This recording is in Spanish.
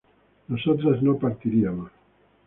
¿nosotras no partiríamos?